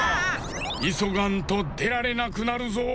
いそがんとでられなくなるぞ！